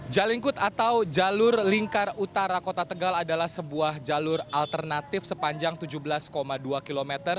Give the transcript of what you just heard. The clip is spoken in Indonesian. jalingkut atau jalur lingkar utara kota tegal adalah sebuah jalur alternatif sepanjang tujuh belas dua km